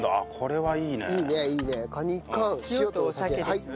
はい。